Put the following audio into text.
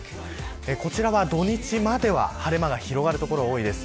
こちらは土日までは晴れ間が広がる所が多いです。